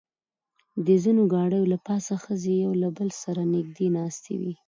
د ځینو ګاډیو له پاسه ښځې یو له بل سره نږدې ناستې وې.